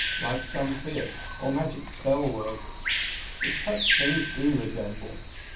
Like some fiat, or magic spell word;—which such things do resemble!